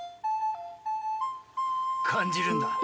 感じるんだ。